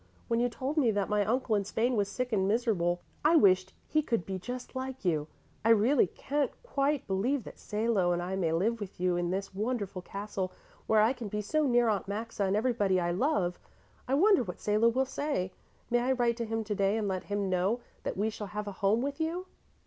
When you told me that my uncle in Spain was sick and miserable, I wished he could be just like you. I really can't quite believe that Salo and I may live with you in this wonderful castle, where I can be so near Aunt Maxa and everybody I love. I wonder what Salo will say. May I write to him today and let him know that we shall have a home with you?"